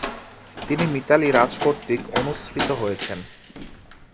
তিনি মিতালী রাজ কর্তৃক অনুসৃত হয়েছেন।